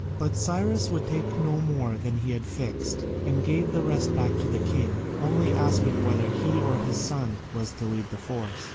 But Cyrus would take no more than he had fixed, and gave the rest back to the king, only asking whether he or his son was to lead the force.